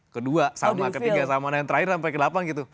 kedua sama ketiga sama nah yang terakhir sampai ke delapan gitu